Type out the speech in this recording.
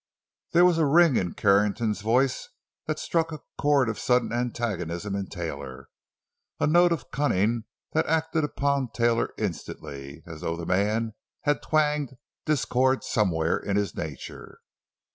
There was a ring in Carrington's voice that struck a chord of sudden antagonism in Taylor, a note of cunning that acted upon Taylor instantly, as though the man had twanged discord somewhere in his nature.